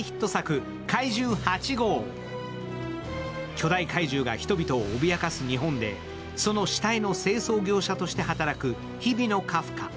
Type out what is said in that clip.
巨大怪獣が人々を脅かす日本で、その死体の清掃業者として働く、日比野カフカ。